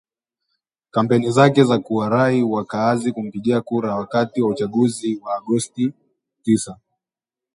kampeni zake za kuwarai wakaazi kumpigia kura wakati wa Uchaguzi wa Agosti tisa